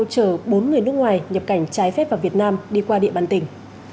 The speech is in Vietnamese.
chở bốn người nước ngoài nhập cảnh trái phép vào việt nam đi qua địa bàn tỉnh